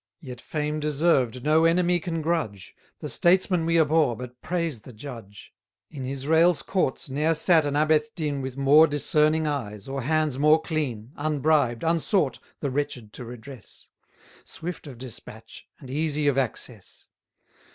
Yet fame deserved no enemy can grudge; The statesman we abhor, but praise the judge. In Israel's courts ne'er sat an Abethdin With more discerning eyes, or hands more clean, Unbribed, unsought, the wretched to redress; 190 Swift of despatch, and easy of access.